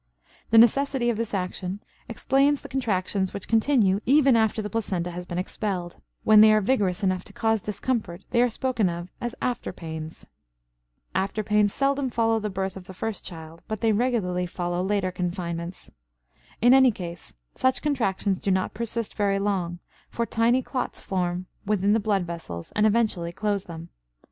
The necessity of this action explains the contractions which continue even after the placenta has been expelled, when they are vigorous enough to cause discomfort they are spoken of as "after pains." After pains seldom follow the birth of the first child, but they regularly follow later confinements. In any case, such contractions do not persist very long, for tiny clots form within the blood vessels and effectually close them.